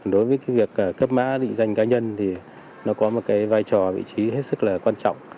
đối với cái việc cấp mã định danh cá nhân thì nó có một cái vai trò vị trí hết sức là quan trọng